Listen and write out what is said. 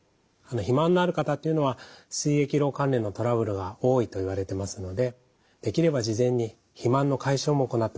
肥満のある方というのはすい液漏関連のトラブルが多いといわれてますのでできれば事前に肥満の解消も行っておきたい。